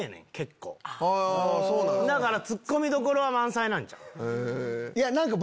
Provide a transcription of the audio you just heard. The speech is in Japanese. だからツッコミどころ満載なんちゃう？